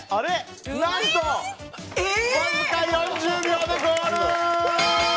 何とわずか４０秒でゴール！